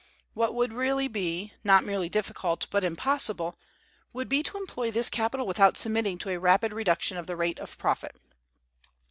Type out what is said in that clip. What would really be, not merely difficult, but impossible, would be to employ this capital without submitting to a rapid reduction of the rate of profit.